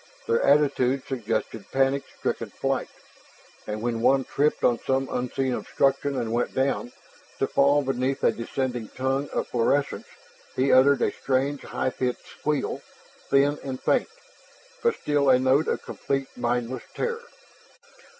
Their attitude suggested panic stricken flight, and when one tripped on some unseen obstruction and went down to fall beneath a descending tongue of phosphorescence he uttered a strange high pitched squeal, thin and faint, but still a note of complete, mindless terror.